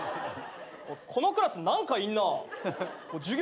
このクラス何かいんなぁ。